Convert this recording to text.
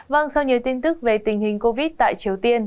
vâng sau nhiều tin tức về tình hình covid tại triều tiên